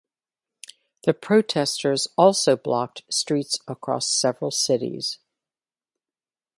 The protesters also blocked streets across several cities.